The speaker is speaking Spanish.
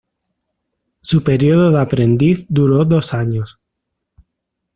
Su período de aprendiz duró dos años.